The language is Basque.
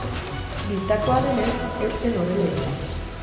Bistakoa denez, ez zen horrela izan.